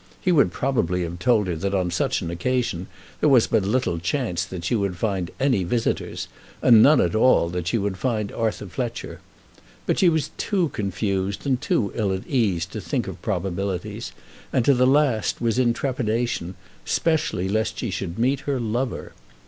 He would probably have told her that on such an occasion there was but little chance that she would find any visitors, and none at all that she would find Arthur Fletcher. But she was too confused and too ill at ease to think of probabilities, and to the last was in trepidation, specially lest she should meet her lover.